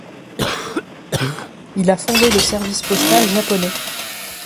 Il a fondé le service postal japonais.